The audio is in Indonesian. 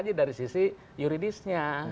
mengkaji dari sisi yuridisnya